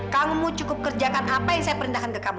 kamu cukup kerjakan apa yang saya perintahkan ke kamu